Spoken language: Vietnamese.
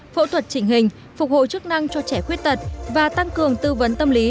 phẫu thuật trịnh hình phục hồi chức năng cho trẻ khuyết tật và tăng cường tư vấn tâm lý